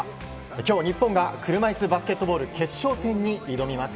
今日、日本が車いすバスケットボール決勝戦に挑みます。